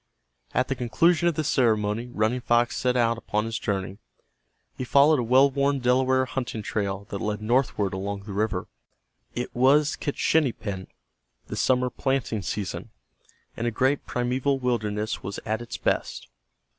At the conclusion of the ceremony Running Fox set out upon his journey. He followed a well worn Delaware hunting trail that led northward along the river. It was Kitschinipen, the summer planting season, and a great primeval wilderness was at its best.